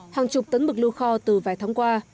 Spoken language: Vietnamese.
hàng chục tấn mực lưu kho từ vài tháng qua